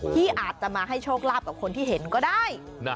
ที่อาจจะมาให้โชคลาภกับคนที่เห็นก็ได้